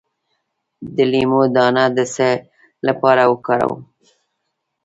د لیمو دانه د څه لپاره وکاروم؟